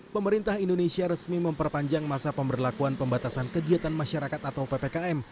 pemerintah indonesia resmi memperpanjang masa pemberlakuan pembatasan kegiatan masyarakat atau ppkm